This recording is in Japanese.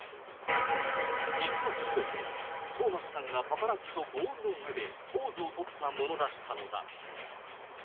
実はすべて、トーマスさんがパパラッチと合意の上でポーズを取ったものだったのだ。